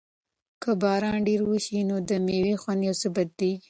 که باران ډېر وشي نو د مېوو خوند یو څه بدلیږي.